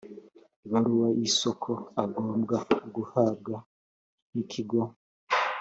ibaruwa y’isoko agombwa guhabwa n’Ikigo